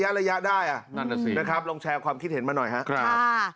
นั่นแหละสินะครับลองแชร์ความคิดเห็นมาหน่อยฮะครับ